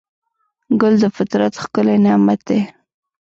ګل د فطرت ښکلی نعمت دی.